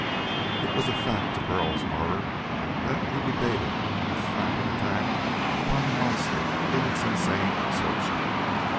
It was a fact to Burl's honor that he debated a frantic attack upon the monster in its insane absorption.